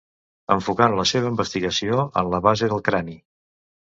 Enfocant la seva investigació en la base del crani.